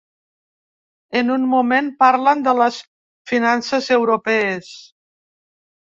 En un moment parlen de les finances europees.